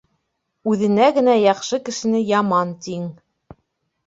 Үҙенә генә яҡшы кешене яман тиң.